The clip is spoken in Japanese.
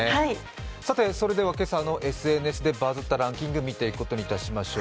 それでは今朝のＳＮＳで「バズったランキング」見ていくことにいたしましょう。